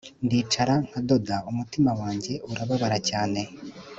ndicara nkadoda - umutima wanjye urababara cyane